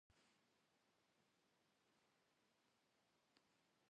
A txum yi şşıpxhuişır şenıf'e zaş'ere 'Uexu ş'en xuepabğeu şıtınu soxhuaxhue!